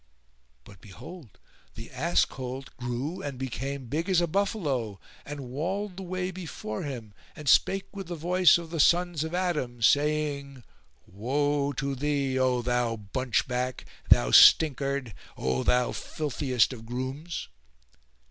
But behold, the ass colt grew and became big as a buffalo and walled the way before him and spake with the voice of the sons of Adam, saying, "Woe to thee, O thou Bunch back, thou stinkard, O thou filthiest of grooms!"